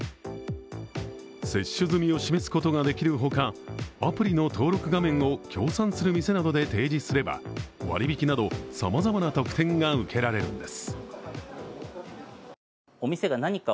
接種済みを示すことができるほか、アプリの登録画面を協賛する店などで提示すれば割引などさまざまな特典が受けられるんです。